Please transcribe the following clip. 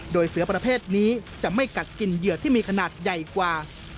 โดยเสือประเภทนี้จะไม่กัดกินเหยื่อที่มีขนาดใหญ่กว่า